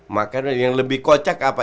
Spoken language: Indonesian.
makanan yang lebih kocak apa